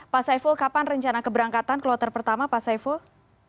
pak saiful kapan rencana keberangkatan kloter pertama pak saiful